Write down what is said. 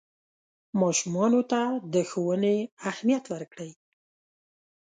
ماشومانو ته د ښوونې اهمیت ورکړئ.